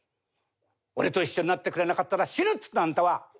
「俺と一緒になってくれなかったら死ぬっつったあんたは！」。